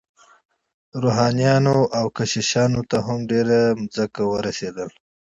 روحانیونو او کشیشانو ته هم ډیره ځمکه ورسیدله.